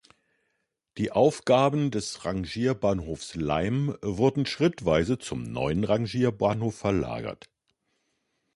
Die Aufgaben des Rangierbahnhofs Laim wurden schrittweise zum neuen Rangierbahnhof verlagert.